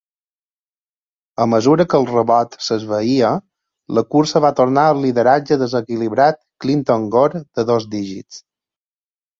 A mesura que el rebot s'esvaïa, la cursa va tornar al lideratge desequilibrat Clinton-Gore de dos dígits.